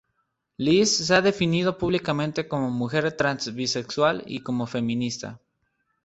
Lees se ha definido públicamente como mujer trans bisexual y como feminista.